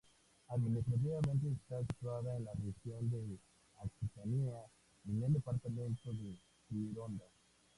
Administrativamente, está situada en la región de Aquitania en el departamento de Gironda.